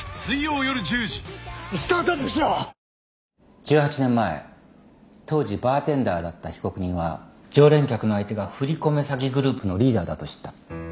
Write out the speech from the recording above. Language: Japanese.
１８年前当時バーテンダーだった被告人は常連客の相手が振り込め詐欺グループのリーダーだと知った。